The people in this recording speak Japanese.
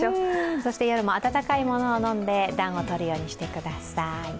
そして夜も温かいものを飲んで暖をとるようにしてください。